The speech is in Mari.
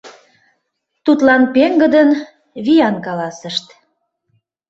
Тудлан пеҥгыдын, виян каласышт: